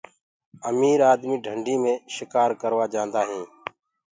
امير آدمي ڍنڊي مي شڪآر ڪروآ جآندآ هينٚ۔